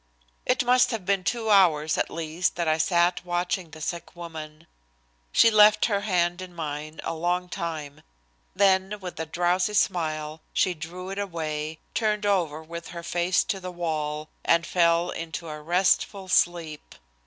It must have been two hours at least that I sat watching the sick woman. She left her hand in mine a long time, then, with a drowsy smile, she drew it away, turned over with her face to the wall, and fell into a restful sleep.